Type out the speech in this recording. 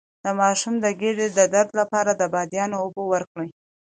د ماشوم د ګیډې درد لپاره د بادیان اوبه ورکړئ